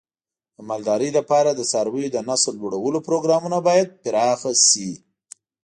د مالدارۍ لپاره د څارویو د نسل لوړولو پروګرامونه باید پراخ شي.